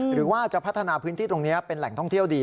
หรือว่าจะพัฒนาพื้นที่ตรงนี้เป็นแหล่งท่องเที่ยวดี